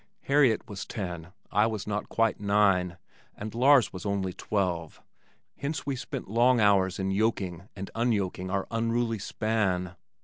Harriet was ten, I was not quite nine, and Lars was only twelve, hence we spent long hours in yoking and unyoking our unruly span.